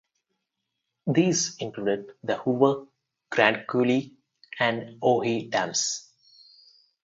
These included the Hoover, Grand Coulee and Owyhee dams.